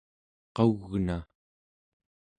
qau͡gna